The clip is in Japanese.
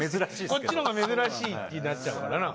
「こっちの方が珍しい」になっちゃうからな。